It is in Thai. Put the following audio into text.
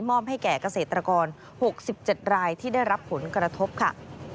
มอบให้แก่เกษตรกร๖๗รายที่ได้รับผลกระทบค่ะ